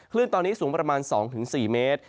คลื่นตอนนี้สูงประมาณ๒๔เมตร